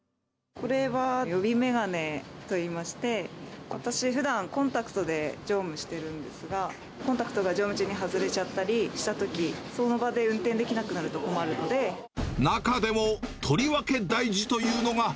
これは予備眼鏡といいまして、私、ふだん、コンタクトで乗務してるんですが、コンタクトが乗務中に外れちゃったりしたとき、その場で運転でき中でも、とりわけ大事というのが。